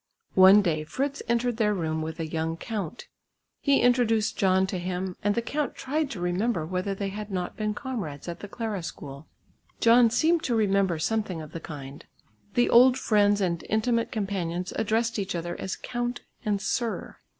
One day Fritz entered their room with a young count. He introduced John to him, and the count tried to remember whether they had not been comrades at the Clara School. John seemed to remember something of the kind. The old friends and intimate companions addressed each other as "count" and "sir."